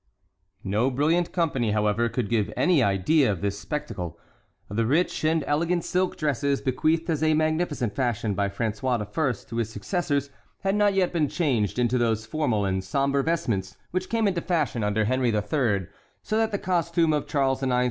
No brilliant company, however, could give any idea of this spectacle. The rich and elegant silk dresses, bequeathed as a magnificent fashion by François I. to his successors, had not yet been changed into those formal and sombre vestments which came into fashion under Henry III.; so that the costume of Charles IX.